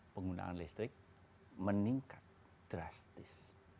penggunaan listrik meningkat drastis